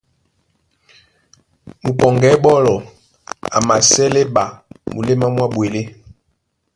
Mupɔŋgɛ́ ɓɔ́lɔ a masɛ́lɛ́ ɓa muléma mwá ɓwelé.